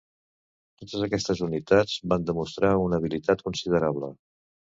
Totes aquestes unitats van demostrar una habilitat considerable.